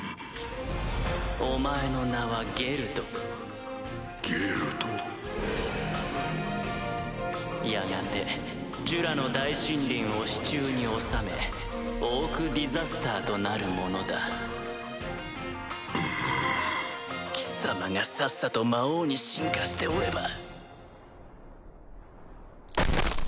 お前の名はゲルドゲルドやがてジュラの大森林を手中に収めオーク・ディザスターとなる者だ貴様がさっさと魔王に進化しておれば。